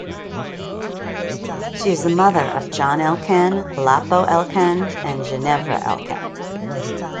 She is the mother of John Elkann, Lapo Elkann and Ginevra Elkann.